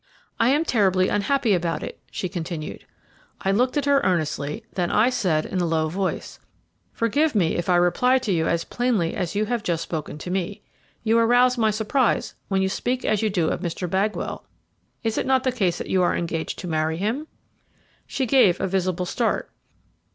"'I am terribly unhappy about it all,' she continued. "I looked at her earnestly, then I said in a low voice: "'Forgive me if I reply to you as plainly as you have just spoken to me. You arouse my surprise when you speak as you do of Mr. Bagwell. Is it not the case that you are engaged to marry him?' "She gave a visible start.